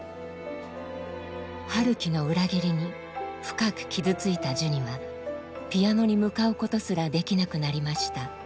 陽樹の裏切りに深く傷ついたジュニはピアノに向かうことすらできなくなりました